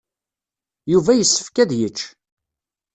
Yuba yessefk ad yečč.